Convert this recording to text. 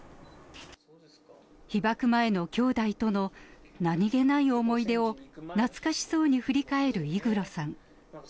被爆前のきょうだいとの何気ない思い出を懐かしそうに振り返る井黒さん。